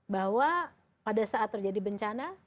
bahwa pada saat terjadi bencana